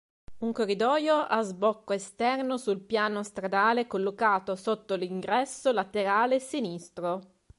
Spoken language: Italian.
Un corridoio ha sbocco esterno sul piano stradale collocato sotto l'ingresso laterale sinistro.